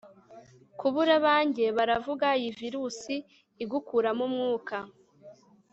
kubura abanjye-baravuga iyi virusi igukuramo umwuka